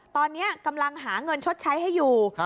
ตอนนี้กำลังหาเงินชดใช้ให้อยู่